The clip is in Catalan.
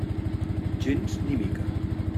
Gens ni mica.